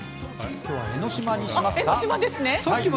今日は江の島にしますか？